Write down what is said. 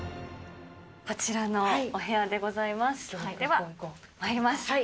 こちらのお部屋でございます。